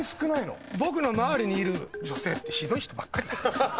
僕の周りにいる女性ってひどい人ばっかりだ。